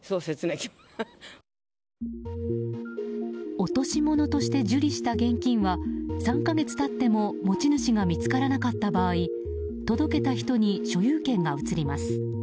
落とし物として受理した現金は３か月経っても持ち主が見つからなかった場合届けた人に所有権が移ります。